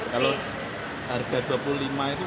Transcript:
kalau harga dua puluh lima itu worth it gak sih